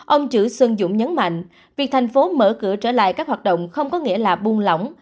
ông chữ xuân dũng nhấn mạnh việc thành phố mở cửa trở lại các hoạt động không có nghĩa là buông lỏng